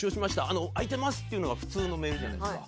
空いてます」っていうのが普通のメールじゃないですか。